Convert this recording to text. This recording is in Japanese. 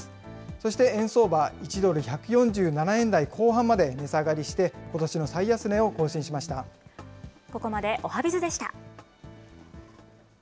そして円相場、１ドル１４７円台後半まで値下がりして、ことしのここまでおはＢｉｚでした。